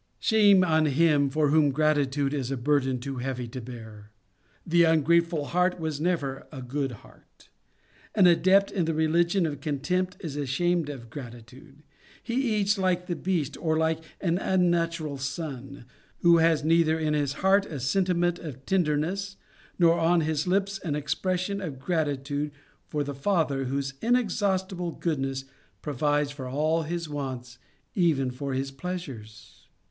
Shame on him for whom gratitude is a burden too heavy to bear; the ungrateful heart was never a good heart. An adept in the religion of con tempt is ashamed of gratitude. He eats like the beast, or like an unnatural son, who has neither in his heart a sentiment of tender ness, nor on his lips an expression of grati tude for the father whose inexhaustible good ness provides for all his wants, and even for his pleasures.